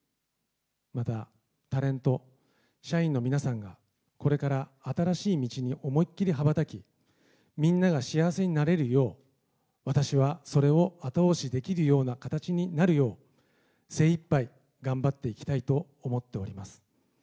またタレント、社員の皆さんが、これから新しい道に思いっきり羽ばたき、みんなが幸せになれるよう、私はそれを後押しできるような形になるよう、精いっぱい頑張っていきたいと思っております。